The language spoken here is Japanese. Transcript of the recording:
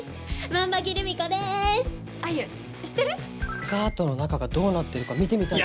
スカートの中がどうなってるか見てみたいとか。